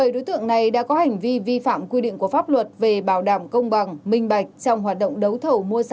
bảy đối tượng này đã có hành vi vi phạm quy định của pháp luật về bảo đảm công bằng minh bạch trong hoạt động đấu thầu mua